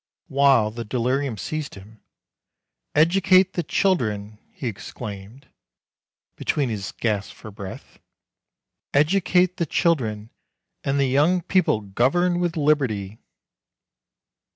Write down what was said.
While the delirium seized him, "Educate the children !" he exclaimed, between his gasps for breath, "educate the children and the young people govern with liberty